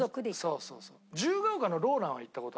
そうそうそう。